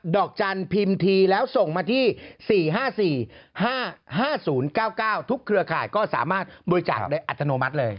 ดอกจันทร์พิมพ์ทีแล้วส่งมาที่๔๕๔๕๐๙๙ทุกเครือข่ายก็สามารถบริจาคได้อัตโนมัติเลย